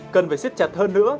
cần phải xếp chặt hơn nữa